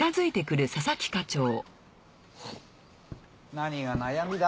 何が悩みだ？